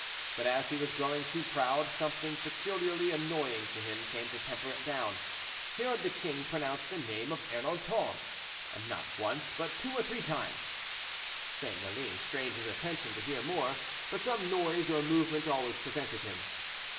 But as he was growing too proud, something peculiarly annoying to him came to temper it down; he heard the king pronounce the name of Ernanton, and not once, but two or three times. St. Maline strained his attention to hear more, but some noise or movement always prevented him.